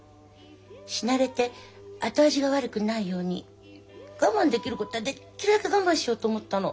死なれて後味が悪くないように我慢できることはできるだけ我慢しようと思ったの。